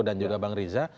dan juga bang riza